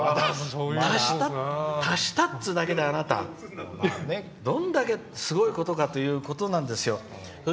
足したっていうだけで、あなたどんだけ、すごいことだっていうことですよ。